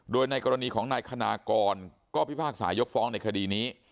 โดยในกรณีของนายคณากรก็พิพากษายกฟ้องในคดีนี้